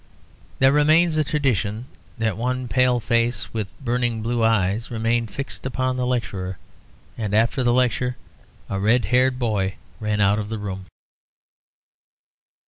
There remains a tradition that one pale face with burning blue eyes remained fixed upon the lecturer, and after the lecture a red haired boy ran out of the room.